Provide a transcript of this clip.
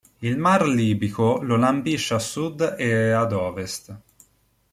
Il mar Libico lo lambisce a sud e ad ovest.